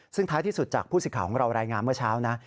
ซึ่งท้ายที่สุดจากผู้สิทธิ์ของเรารายงานเมื่อเช้านะ